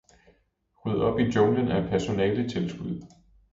Ryd op i junglen af personaletilskud!